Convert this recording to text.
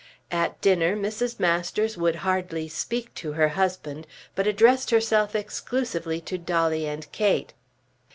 At dinner Mrs. Masters would hardly speak to her husband but addressed herself exclusively to Dolly and Kate.